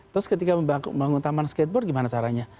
terus ketika membangun taman skateboard gimana caranya